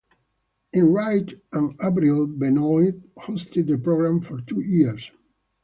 Enright and Avril Benoit hosted the program for two years.